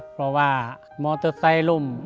เพราะว่ามอเตอร์ไซค์ล่ม